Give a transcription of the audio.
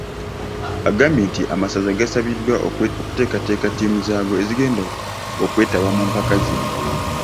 Agambye nti amasaza gasabiddwa okuteekateeka ttiimu zaago ezigenda okwetaba mu mpaka zino .